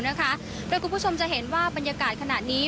โดยคุณผู้ชมจะเห็นว่าบรรยากาศขณะนี้